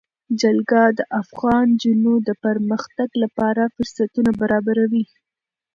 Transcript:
جلګه د افغان نجونو د پرمختګ لپاره فرصتونه برابروي.